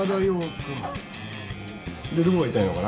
君どこが痛いのかな？